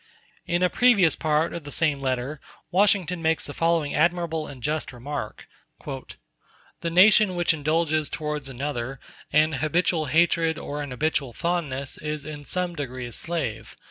In a previous part of the same letter Washington makes the following admirable and just remark: "The nation which indulges towards another an habitual hatred or an habitual fondness is in some degree a slave.